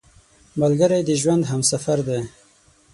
ملګری د ژوند همسفر دی